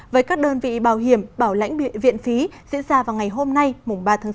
với các đơn vị bảo hiểm bảo lãnh viện phí diễn ra vào ngày hôm nay mùng ba tháng bốn